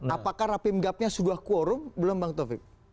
apakah rapim gapnya sudah quorum belum pak taufik